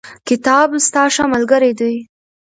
کتاب ستا ښه ملګری دی.